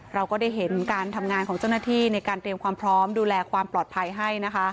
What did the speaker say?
เราก็ได้เห็นการทำงานของเจ้าหน้าที่ในการเตรียมความพร้อมดูแลความปลอดภัยให้นะคะ